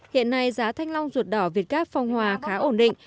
hiện nay giá thanh long ruột đỏ việt gác phong hòa khá ổn định